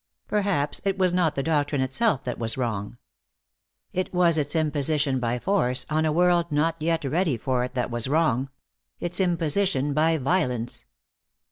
Perhaps it was not the doctrine itself that was wrong. It was its imposition by force on a world not yet ready for it that was wrong; its imposition by violence.